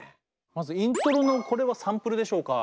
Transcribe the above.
まずイントロのこれはサンプルでしょうか？